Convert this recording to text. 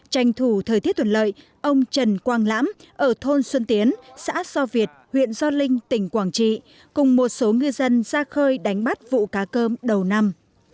tranh thủ thời tiết thuận lợi ông trần quang lãm ở thôn xuân tiến xã do việt huyện gio linh tỉnh quảng trị cùng một số ngư dân ra khơi đánh bắt vụ cá cơm đầu năm